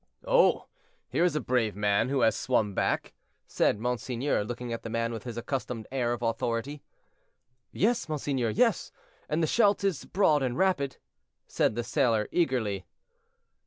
"Oh! here is a brave man who has swum back," said monseigneur, looking at the man with his accustomed air of authority. "Yes, monseigneur, yes; and the Scheldt is broad and rapid," said the sailor, eagerly.